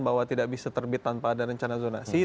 bahwa tidak bisa terbit tanpa ada rencana zonasi